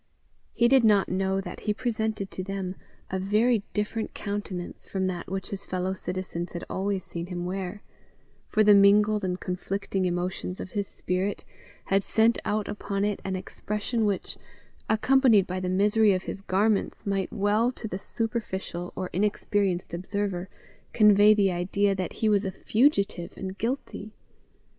He did not know that he presented to them a very different countenance from that which his fellow citizens had always seen him wear; for the mingled and conflicting emotions of his spirit had sent out upon it an expression which, accompanied by the misery of his garments, might well, to the superficial or inexperienced observer, convey the idea that he was a fugitive and guilty.